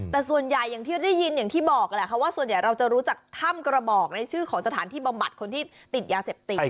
แต่ส่วนใหญ่อย่างที่ได้ยินอย่างที่บอกแหละค่ะว่าส่วนใหญ่เราจะรู้จักถ้ำกระบอกในชื่อของสถานที่บำบัดคนที่ติดยาเสพติด